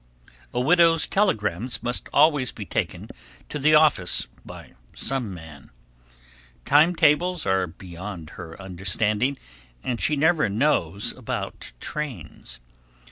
A widow's telegrams must always be taken to the office by some man. Time tables are beyond her understanding and she never knows about trains.